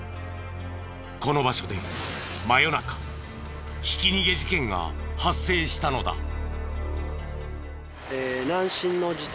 この場所で真夜中ひき逃げ事件が発生したのだ。